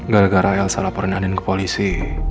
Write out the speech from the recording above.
gara gara elsa laporin andin ke polisi